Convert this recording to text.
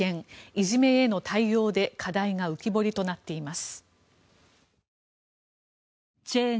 いじめへの対応で課題が浮き彫りとなっています。